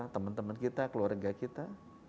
teman teman kita keluarga kita